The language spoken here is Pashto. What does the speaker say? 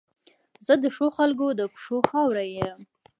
زه د ښو خلګو د پښو خاورې یم.